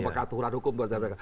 pakaturan hukum buat kpk